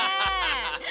アハハハ。